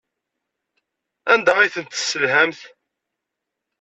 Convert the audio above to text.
Anda ay ten-tesselhamt?